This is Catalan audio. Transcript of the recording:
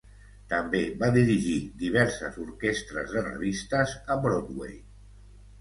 També va dirigir diverses orquestres de revistes a Broadway.